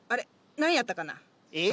何やったかな？えっ？